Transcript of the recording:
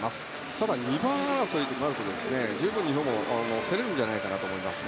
ただ、２番争いとなると十分日本も競られると思います。